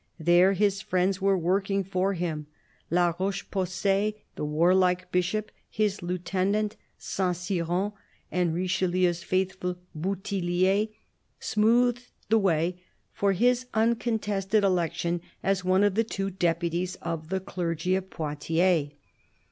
There his friends were working for him. La Rocheposay, the warlike Bishop, his lieutenant Saint Cyran, and Richelieu's faithful Bouthillier, smoothed the way for his uncontested election as one of the two deputies of the clergy of Poitiers.